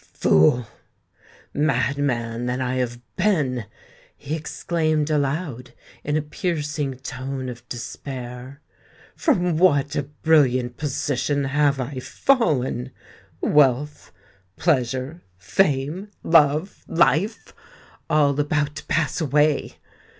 "Fool—madman that I have been!" he exclaimed aloud, in a piercing tone of despair. "From what a brilliant position have I fallen! Wealth—pleasure—fame—love—life, all about to pass away!